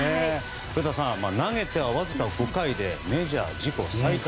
古田さん、投げてはわずか５回でメジャー自己最多